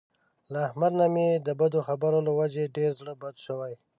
له احمد نه مې د بدو خبر له وجې ډېر زړه بد شوی.